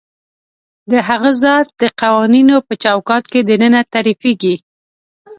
د هغه ذات د قوانینو په چوکاټ کې دننه تعریفېږي.